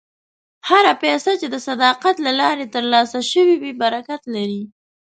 هره پیسه چې د صداقت له لارې ترلاسه شوې وي، برکت لري.